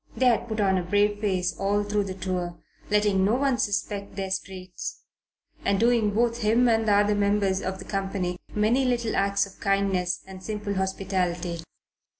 They had put on a brave face all through the tour, letting no one suspect their straits, and doing both him and other members of the company many little acts of kindness and simple hospitality.